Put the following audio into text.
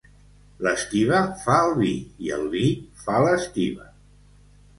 L'estiba fa el vi i el vi fa l'estiba.